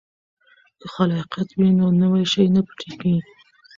که خلاقیت وي نو نوی شی نه پټیږي.